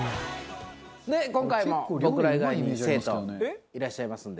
で今回も僕ら以外に生徒いらっしゃいますんで。